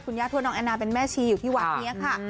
ญาติทั่วน้องแอนนาเป็นแม่ชีอยู่ที่วัดนี้ค่ะ